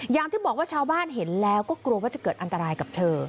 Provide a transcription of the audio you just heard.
อย่างที่บอกว่าชาวบ้านเห็นแล้วก็กลัวว่าจะเกิดอันตรายกับเธอ